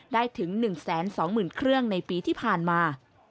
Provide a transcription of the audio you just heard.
ได้ถึง๑๒๐๐๐เครื่องในปีที่ผ่านมา